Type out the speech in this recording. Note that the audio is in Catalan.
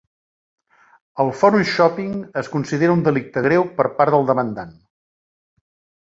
El 'forum-shopping' es considera un delicte greu per part del demandant.